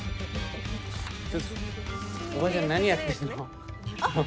ちょっとおばあちゃん、何やってんの？